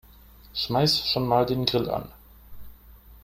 Schmeiß schon mal den Grill an.